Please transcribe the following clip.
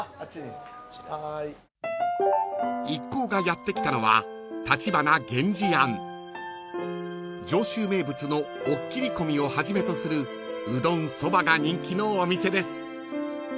［一行がやって来たのは］［上州名物のおっきりこみをはじめとするうどんそばが人気のお店です］